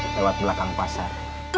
lewat belakang pasar